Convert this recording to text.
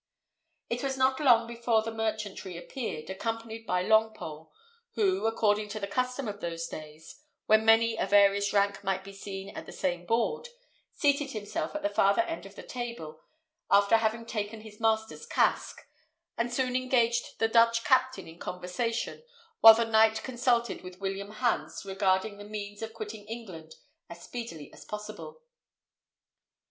It was not long before the merchant re appeared, accompanied by Longpole, who, according to the custom of those days, when many a various rank might be seen at the same board, seated himself at the farther end of the table, after having taken his master's casque, and soon engaged the Dutch captain in conversation, while the knight consulted with William Hans regarding the means of quitting England as speedily as possible.